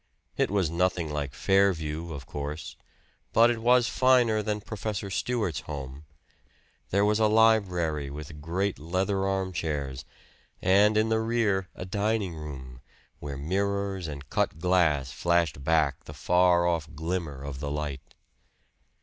It was nothing like "Fairview," of course; but it was finer than Professor Stewart's home. There was a library, with great leather armchairs; and in the rear a dining room, where mirrors and cut glass flashed back the far off glimmer of the light.